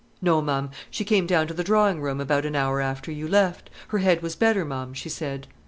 "No, ma'am; she came down to the drawing room about an hour after you left. Her head was better, ma'am, she said."